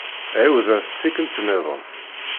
Ɛiwed-as tikkelt-nniḍen.